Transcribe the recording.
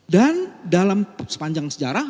dan dalam sepanjang sejarah